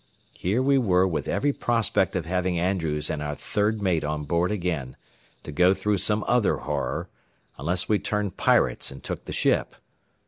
Here we were with every prospect of having Andrews and our third mate on board again, to go through some other horror, unless we turned pirates and took the ship.